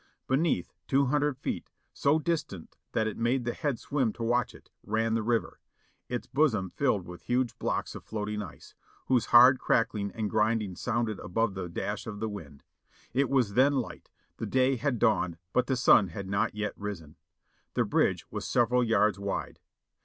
Beneath, two hundred feet, so dis tant that it made the head swim to watch it, ran the river; its bosom filled with huge blocks of floating ice, whose hard crack ling and grinding sounded above the dash of the wind. It was then light ; the day had dawned but the sun had not yet risen. The bridge was several yards wide.